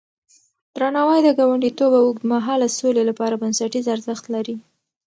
درناوی د ګاونډيتوب او اوږدمهاله سولې لپاره بنسټيز ارزښت لري.